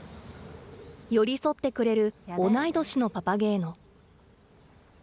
寄り添ってくれる同い年のパパゲーノ。